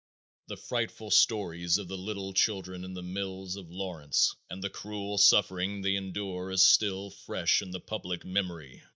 The frightful stories of the little children in the mills of Lawrence and the cruel suffering they endured is still fresh in the public memory.